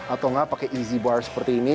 atau enggak pake easy bar seperti ini